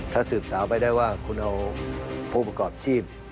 ถ้าสืบสาวไปได้ว่าคุณเอาผู้ประกอบชีพ